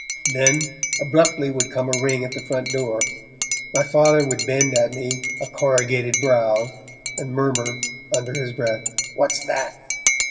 Then, abruptly, would come a ring at the front door; my Father would bend at me a corrugated brow, and murmur, under his breath, 'What's that?'